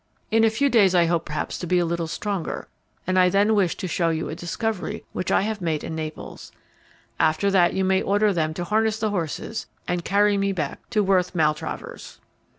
In a few days I hope perhaps to be a little stronger, and I then wish to show you a discovery which I have made in Naples. After that you may order them to harness the horses, and carry me back to Worth Maltravers."